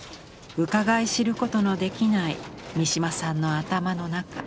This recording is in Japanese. うかがい知ることのできない三島さんの頭の中。